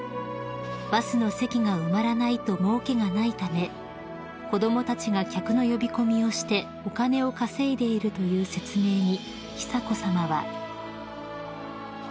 ［バスの席が埋まらないともうけがないため子供たちが客の呼び込みをしてお金を稼いでいるという説明に久子さまは］